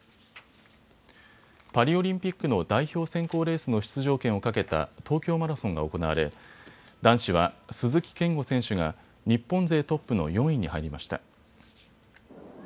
パリオリンピックの代表選考レースの出場権をかけた東京マラソンが行われ男子は鈴木健吾選手が日本勢トップの４位に入りました。